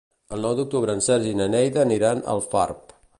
El nou d'octubre en Sergi i na Neida aniran a Alfarb.